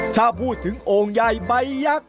ถ้าพูดถึงโอ่งใหญ่ใบยักษ์